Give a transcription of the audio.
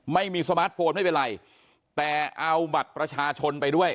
ไม่มีสมาร์ทโฟนไม่เป็นไรแต่เอาบัตรประชาชนไปด้วย